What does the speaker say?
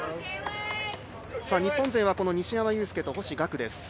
日本勢は西山雄介と星岳です。